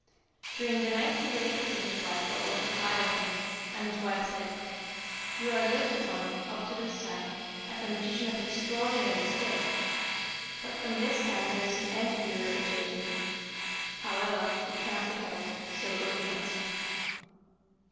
"During the night he related to his wife what was required of him, and his wife said, 'You are looked upon, up to this time, as a magician of extraordinary skill; but from this time there is an end to your reputation. However, it cannot be helped, so go you must.'